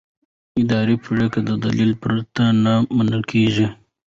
اداري پریکړې د دلیل پرته نه منل کېږي.